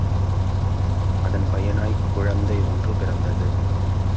அதன் பயனாய்க் குழந்தை ஒன்று பிறந்தது.